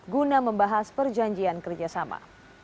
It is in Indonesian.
guna membahas perjanjian kerjasama